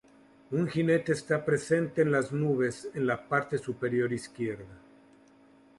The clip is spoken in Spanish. Un jinete está presente en las nubes en la parte superior izquierda.